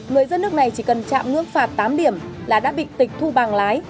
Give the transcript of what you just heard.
người dân nước này chỉ cần chạm ngưỡng phạt tám điểm là đã bị tịch thu bằng lái